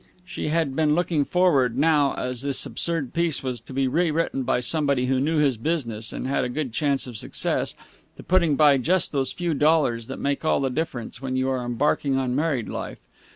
She had been looking forward, now that this absurd piece was to be rewritten by someone who knew his business and had a good chance of success, to putting by just those few dollars that make all the difference when you are embarking on married life.